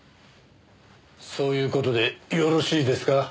そういう事でよろしいですか？